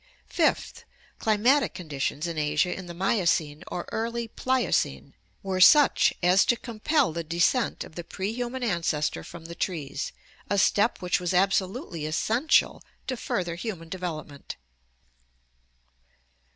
Fifth, climatic conditions in Asia in the Miocene or early Pliocene were such as to compel the descent of the prehuman ancestor from the trees, a step which was absolutely essential to further human development.